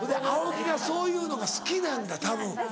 青木がそういうのが好きなんだたぶん。